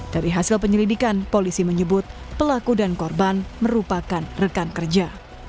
dari hasil penyelidikan polisi menyebut pelaku dan korban merupakan rekan kerja